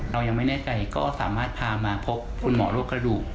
เรายังไม่แน่ใจก็สามารถพามาพบคุณหมอโรคกระดูก